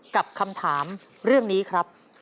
กับคำถามเรื่องนี้ครับ